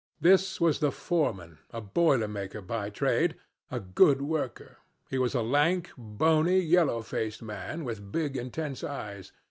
This was the foreman a boiler maker by trade a good worker. He was a lank, bony, yellow faced man, with big intense eyes.